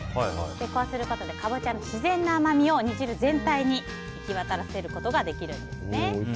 こうすることでカボチャの自然な甘みを煮汁の全体に行き渡らせることができるんです。